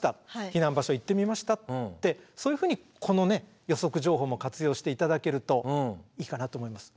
避難場所行ってみましたってそういうふうにこの予測情報も活用して頂けるといいかなと思います。